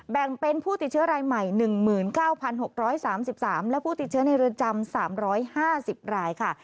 แบ่งเป็นผู้ติดเชื้อรายใหม่๑๙๖๓๓และผู้ติดเชื้อในเรือนจำ๓๕๐รายค่ะ